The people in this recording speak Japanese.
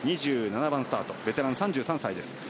２７番スタートベテラン、３３歳です。